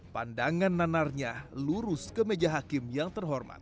pandangan nanarnya lurus ke meja hakim yang terhormat